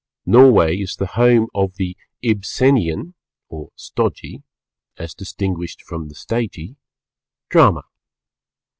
_ Norway is the home of the Ibsenian or stodgy, as distinguished from the stagey, Drama.